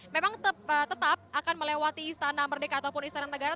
memang tetap akan melewati istana merdeka ataupun istana negara